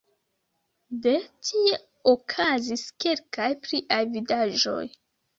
De tie okazis kelkaj pliaj vidaĵoj.